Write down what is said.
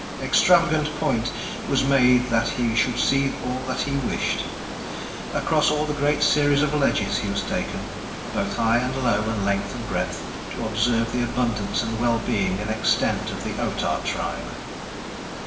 Extravagant point was made that he should see all that he wished! Across all the great series of ledges he was taken, both high and low and length and breadth, to observe the abundance and well being and extent of the Otah tribe.